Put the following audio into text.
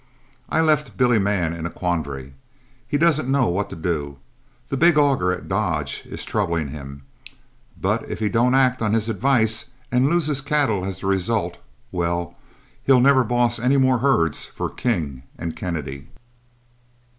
I left Billy Mann in a quandary; he doesn't know what to do. That big auger at Dodge is troubling him, for if he don't act on his advice, and loses cattle as the result well, he'll never boss any more herds for King and Kennedy.